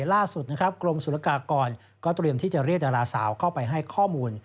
ล่าสุดนะครับกรมศุลกากรก็เตรียมที่จะเรียกดาราสาวเข้าไปให้ข้อมูล